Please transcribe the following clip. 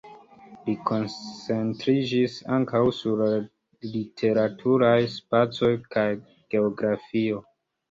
Li koncentriĝis ankaŭ sur literaturaj spacoj kaj geografio.